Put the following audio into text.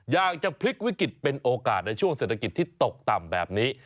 อยากจะพลิกวิกฤตเป็นโอกาสในช่วงเศรษฐกิจที่ตกต่ำแบบนี้